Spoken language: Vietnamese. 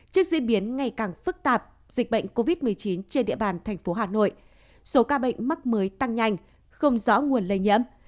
trước diễn biến ngày càng phức tạp dịch bệnh covid một mươi chín trên địa bàn thành phố hà nội số ca bệnh mắc mới tăng nhanh không rõ nguồn lây nhiễm